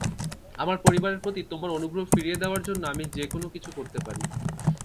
আমার পরিবারের প্রতি তোমার অনুগ্রহ ফিরিয়ে দেওয়ার জন্য আমি যেকোন কিছু করতে পারি।